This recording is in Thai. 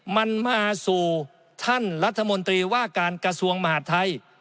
มันมาสู่ท่านรัฐมนตรีว่าการกระทรวงมหาดไทย